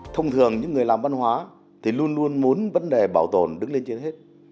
thông thường những người làm văn hóa thì luôn luôn muốn vấn đề bảo tồn đứng lên trên hết